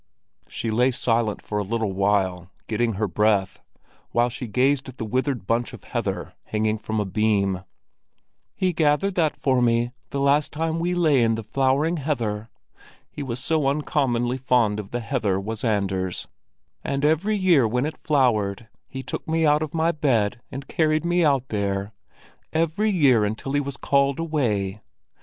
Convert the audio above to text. She lay silent for a little while, getting her breath, while she gazed at a withered bunch of heather hanging from a beam. "He gathered that for me the first time we lay in the flowering heather. He was so uncommonly fond of the heather, was Anders, and every year when it flowered, he took me out of my bed and carried me out there—every year until he was called away.